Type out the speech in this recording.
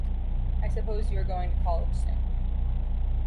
I suppose you are going to college soon?